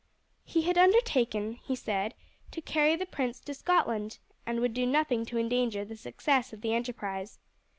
He had undertaken, he said, to carry the prince to Scotland, and would do nothing to endanger the success of the enterprise.